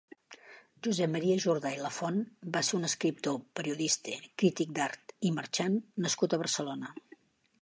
Josep Maria Jordà i Lafont va ser un escriptor, periodista, crític d'art i marxant nascut a Barcelona.